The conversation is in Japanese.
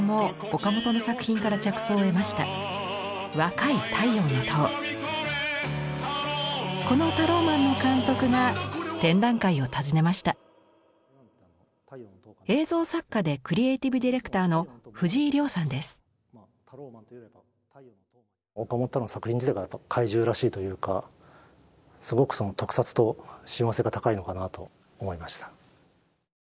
岡本太郎の作品自体がやっぱ怪獣らしいというかすごく特撮と親和性が高いのかなと思いました。